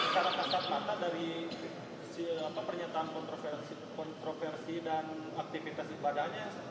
secara kasat mata dari pernyataan kontroversi dan aktivitas ibadahnya